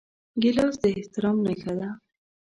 ګیلاس د احترام نښه ده.